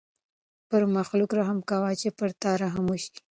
پر مخلوق رحم کوه چې پر تا رحم وشي.